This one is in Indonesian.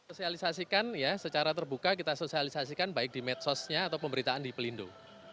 sosialisasikan ya secara terbuka kita sosialisasikan baik di medsosnya atau pemberitaan di pelindung